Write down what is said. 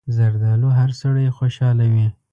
زردالو هر سړی خوشحالوي.